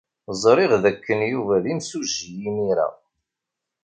Ẓriɣ dakken Yuba d imsujji imir-a.